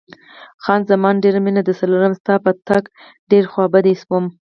خان زمان: ډېره مینه درسره لرم، ستا په تګ ډېره خوابدې شوم.